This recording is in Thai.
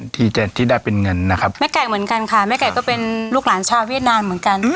ที่จะที่ได้เป็นเงินนะครับแม่ไก่เหมือนกันค่ะแม่ไก่ก็เป็นลูกหลานชาวเวียดนามเหมือนกัน